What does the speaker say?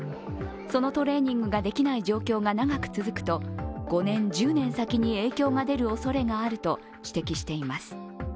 そのトレーニングができない状況が長く続くと５年、１０年先に影響が出るおそれがあると指摘しています。